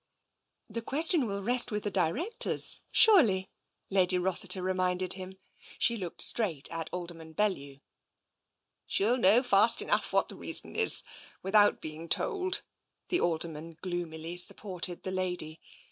" That question will rest with the directors, surely," Lady Rossiter reminded him. She looked straight at Alderman Bellew. " She'll know fast enough what the reason is, with out being told," the Alderman gloomily supported the lady.